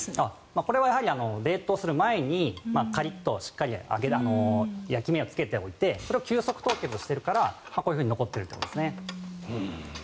これは冷凍する前にカリッとしっかり焼き目をつけておいてそれを急速凍結しているから残っているということですね。